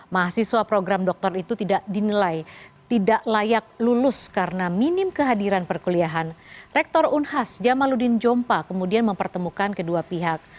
mahasiswa program doktor itu tidak dinilai tidak layak lulus karena minim kehadiran perkuliahan rektor unhas jamaludin jompa kemudian mempertemukan kedua pihak